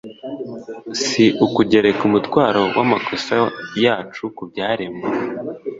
si ukugereka umutwaro wamakosa yacu ku byaremwe